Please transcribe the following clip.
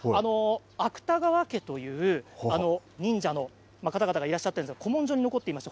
芥川家という忍者のかたがたがいらっしゃったんですが古文書に残っていました。